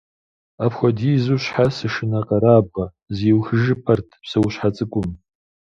Апхуэдизу щхьэ сышынэкъэрабгъэ? - зиухыжыпэрт псэущхьэ цӀыкӀум.